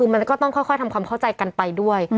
มันก็ต้องค่อยทำความเข้าใจกันไปด้วย